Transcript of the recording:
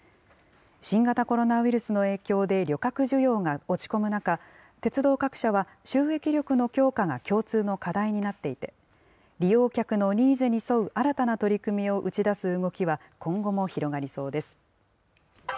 新型コロナウイルスの影響で、旅客需要が落ち込む中、鉄道各社は、収益力の強化が共通の課題になっていて、利用客のニーズに沿う新たな取り組みを打ち出す動きは、今後も広がりそうです。